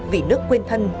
vì nước quên thân